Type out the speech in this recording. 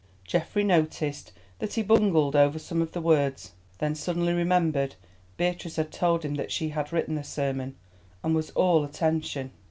Geoffrey noticed that he bungled over some of the words, then suddenly remembered Beatrice had told him that she had written the sermon, and was all attention.